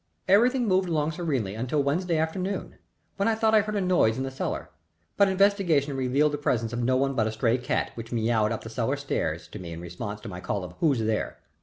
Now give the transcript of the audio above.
Everything moved along serenely until Wednesday afternoon, when I thought I heard a noise in the cellar, but investigation revealed the presence of no one but a stray cat which miaowed up the cellar steps to me in response to my call of "Who's there."